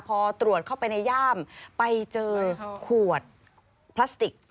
พอตรวจเข้าไปในย่ามไปเจอขวดพลาสติก